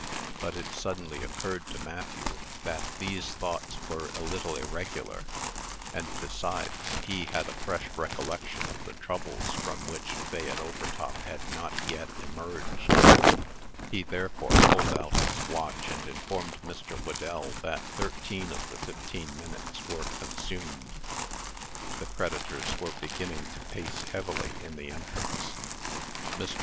But it suddenly occurred to Matthew that these thoughts were a little irregular; and, besides, he had a fresh recollection of the troubles from which Fayette Overtop had not yet emerged. He therefore pulled out his watch, and informed Mr. Whedell that thirteen of the fifteen minutes were consumed. The creditors were beginning to pace heavily in the entry. Mr.